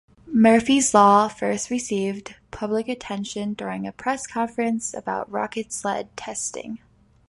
Murphy's law first received public attention during a press conference about rocket sled testing.